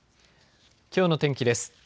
きょうの天気です。